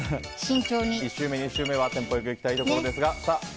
１周目、２周目はテンポよくいきたい。